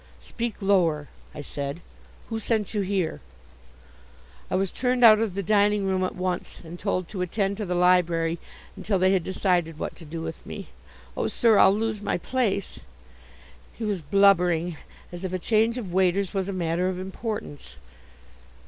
"Speak lower!" I said. "Who sent you here?" "I was turned out of the dining room at once, and told to attend to the library until they had decided what to do with me. Oh, sir, I'll lose my place!" He was blubbering, as if a change of waiters was a matter of importance.